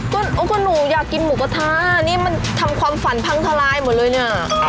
ก็หนูอยากกินหมูกระทะนี่มันทำความฝันพังทลายหมดเลยเนี่ย